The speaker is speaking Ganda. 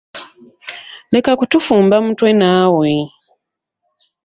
Leka kutufumba mutwe naawe.